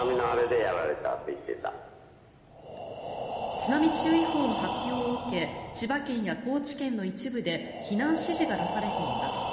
津波注意報の発表を受け千葉県や高知県の一部で避難指示が出されています。